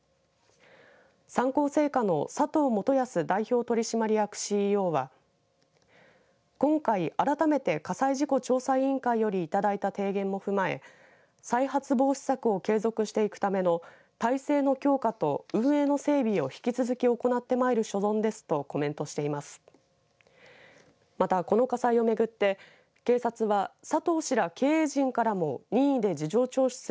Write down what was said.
三幸製菓の佐藤元保代表取締役ＣＥＯは今回、改めて火災事故調査委員会よりいただいた提言も踏まえ再発防止策を継続していくための体制の強化と運営の整備を引き続き行ってまいる所存ですとコメントしています。